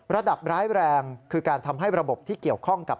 ร้ายแรงคือการทำให้ระบบที่เกี่ยวข้องกับ